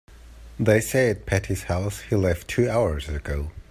They say at Patti's house he left two hours ago.